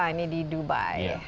ini di dubai